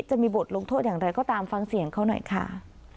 จะมีบทลงโทษอย่างไรก็ตามฟังเสียงเขาหน่อยค่ะ